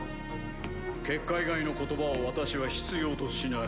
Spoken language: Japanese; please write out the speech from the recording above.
結果以外の言葉を私は必要としない。